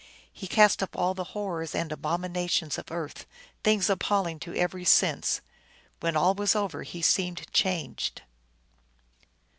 He cast up all the horrors and abominations of earth, things appalling to every sense. When all was over he seemed changed.